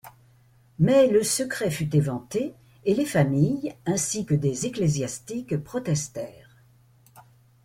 Mais le secret fut éventé et les familles, ainsi que des ecclésiastiques protestèrent.